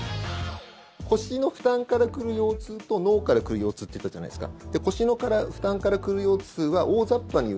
腰の負担から来る腰痛と脳から来る腰痛って言ったじゃないですか。